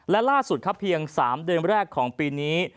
และล่าสุดครับเพียง๓เดือนแรกของปีนี้